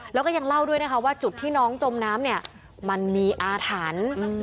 แล้วก็ยังเล่าด้วยนะคะว่าจุดที่น้องจมน้ำเนี่ยมันมีอาถรรพ์